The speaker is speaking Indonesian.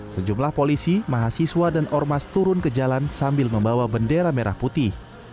sejumlah polisi mahasiswa dan ormas turun ke jalan sambil membawa bendera merah putih